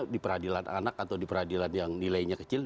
di peradilan anak atau di peradilan yang nilainya kecil